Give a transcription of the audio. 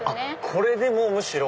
これでもむしろ。